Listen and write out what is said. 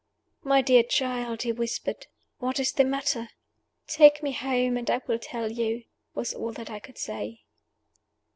"My dear child!" he whispered, "what is the matter?" "Take me home, and I will tell you," was all that I could say.